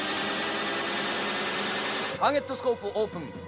「ターゲットスコープオープン。